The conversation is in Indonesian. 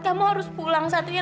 kamu harus pulang satria